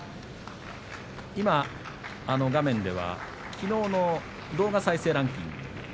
今、画面ではきのうの動画再生ランキング